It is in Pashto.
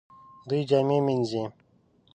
دوی جامې مینځي